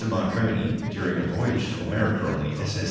Marconi, during a voyage to America on the s.s.